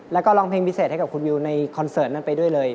แล้วก็ร้องเพลงพิเศษให้กับคุณวิวในคอนเสิร์ตนั้นไปด้วยเลย